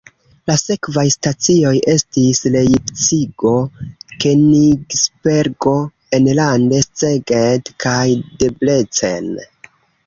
La sekvaj stacioj estis Lejpcigo, Kenigsbergo, enlande Szeged kaj Debrecen.